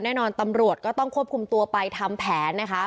แน่นอนตำรวจก็ต้องควบคุมตัวไปทำแผนนะคะ